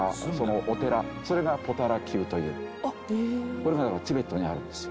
これがチベットにあるんですよ。